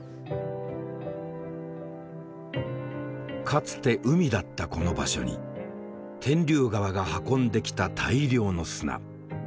かつて海だったこの場所に天竜川が運んできた大量の砂。